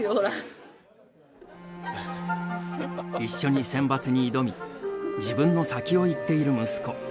一緒に選抜に挑み自分の先を行っている息子。